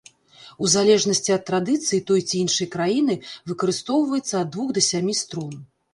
У залежнасці ад традыцыі той ці іншай краіны выкарыстоўваецца ад двух да сямі струн.